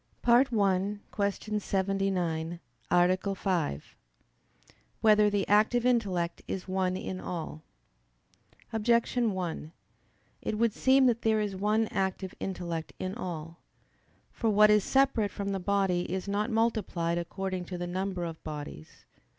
_______________________ FIFTH ARTICLE [I, Q. 79, Art. 5] Whether the Active Intellect Is One in All? Objection 1: It would seem that there is one active intellect in all. For what is separate from the body is not multiplied according to the number of bodies.